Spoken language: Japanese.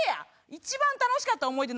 一番楽しかった思い出？